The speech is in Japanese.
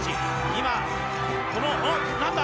今このおっ何だ？